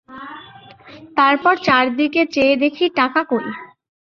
তার পর চার দিকে চেয়ে দেখি, টাকা কই?